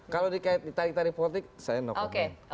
kalau ditarik tarik politik saya no comment